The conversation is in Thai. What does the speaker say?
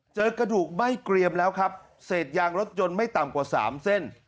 เจอกระดูกไหม้เกรียมแล้วครับเศษยางรถยนต์ไม่ต่ำกว่า๓เส้น